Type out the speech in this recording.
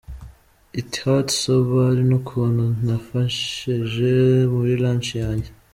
it hurts soo bad nukuntu yamfashije muri launch yanjye.